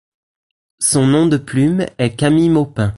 Son nom de plume est Camille Maupin.